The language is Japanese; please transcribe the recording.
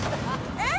えっ？